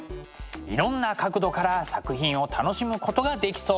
いろんな角度から作品を楽しむことができそうです。